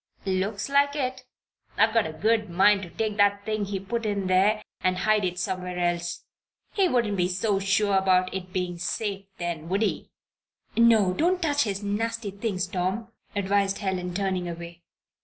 "Looks like it. I've a good mind to take that thing he put in there and hide it somewhere else. He wouldn't be so sure about it's being safe then; would he?" "No! Don't you touch his nasty things, Tom," advised Helen, turning away.